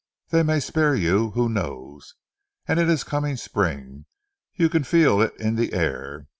They may spare you; who knows? And it is coming spring. You can feel it in the air.